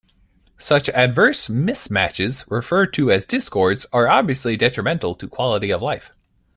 Such adverse mismatches, referred to as discords, are obviously detrimental to quality of life.